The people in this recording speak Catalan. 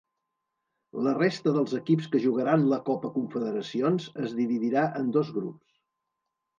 La resta dels equips que jugaran la Copa Confederacions es dividirà en dos grups.